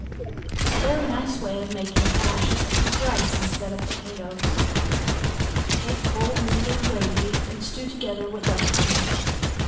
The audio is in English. A very nice way of making hash is to use rice instead of potatoes. Take cold meat and gravy and stew together with onion.